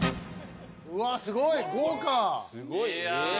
うわすごい豪華。